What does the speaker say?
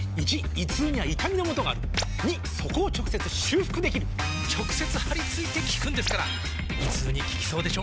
①胃痛には痛みのもとがある②そこを直接修復できる直接貼り付いて効くんですから胃痛に効きそうでしょ？